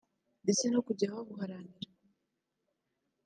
ndetse no kujya babuharanira